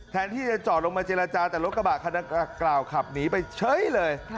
แทนที่จะจอดลงมาเจรจาแต่รถกระบะคันกล่าวขับหนีไปเฉยเลย